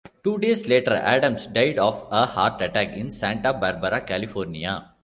Two days later, Adams died of a heart attack in Santa Barbara, California.